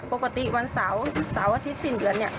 ปกติวันเสาร์สาวอาทิตย์สิ้นเดือน